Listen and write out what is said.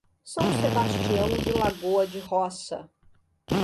São Sebastião de Lagoa de Roça